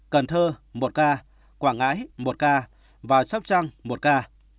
cần thơ một ca quảng ngãi một ca và sóc trăng một ca